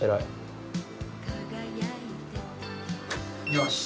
よし。